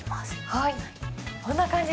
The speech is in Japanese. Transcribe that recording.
はい。